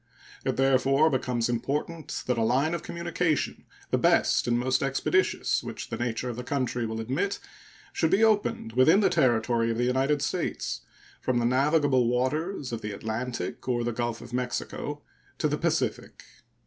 It therefore becomes important that a line of communication, the best and most expeditious which the nature of the country will admit, should be opened within the territory of the United States from the navigable waters of the Atlantic or the Gulf of Mexico to the Pacific.